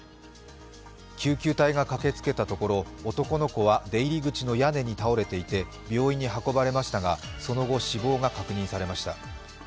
救急隊が駆けつけたところ男の子は出入り口の屋根に倒れていて病院に運ばれましたが、その後、死亡が確認されました。